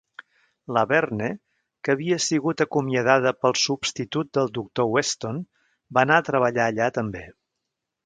Laverne, que havia sigut acomiadada pel substitut del doctor Weston, va anar a treballar allà també.